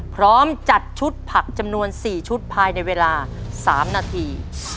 พร้อมจัดชุดผักจำนวน๔ชุดภายในเวลา๓นาที